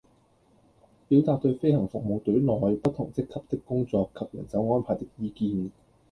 表達對飛行服務隊內不同職級的工作及人手安排的意見